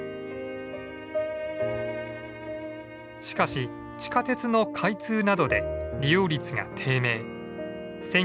しかし地下鉄の開通などで利用率が低迷。